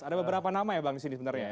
ada beberapa nama ya bang disini sebenarnya